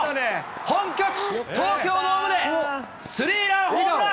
本拠地、東京ドームでスリーランホームラン。